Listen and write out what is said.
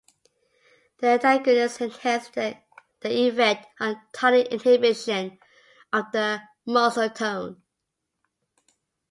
The antagonist enhances the effect on tonic inhibition of the muscle tone.